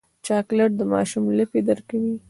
چاکلېټ د ماشوم لپې ډکوي.